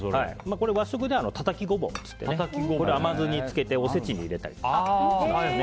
これ、和食ではたたきゴボウっていってね甘酢に漬けておせちに入れたりとかですね。